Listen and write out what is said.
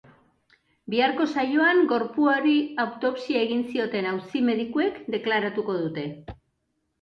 Biharko saioan gorpuari autopsia egin zioten auzi-medikuek deklaratuko dute.